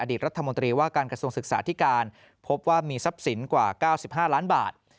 รัฐมนตรีว่าการกระทรวงศึกษาธิการพบว่ามีทรัพย์สินกว่า๙๕ล้านบาท